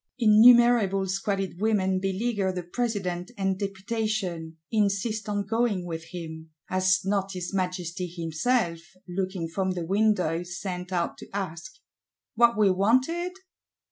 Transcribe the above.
Innumerable squalid women beleaguer the President and Deputation; insist on going with him: has not his Majesty himself, looking from the window, sent out to ask, What we wanted?